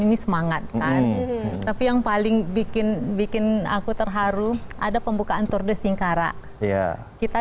ini semangat kan tapi yang paling bikin bikin aku terharu ada pembukaan tour de singkara ya kita